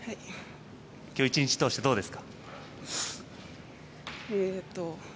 今日１日通してどうですか。